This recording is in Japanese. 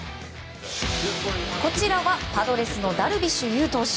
こちらは、パドレスのダルビッシュ有投手。